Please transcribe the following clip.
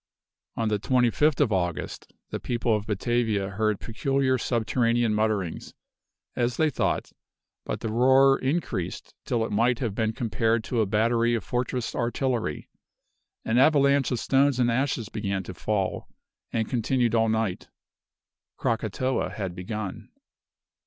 On the 25th of August the people of Batavia heard peculiar subterranean mutterings, as they thought, but the roar increased till it might have been compared to a battery of fortress artillery. An avalanche of stones and ashes began to fall, and continued all night. Krakatoa had begun.